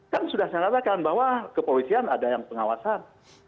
kan sudah saya katakan bahwa kepolisian ada yang pengawasan